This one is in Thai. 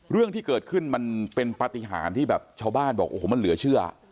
เรื่องที่เกิดขึ้นมันเป็นปฏิหารที่แบบชาวบ้านบอกโอ้โหมันเหลือเชื่อ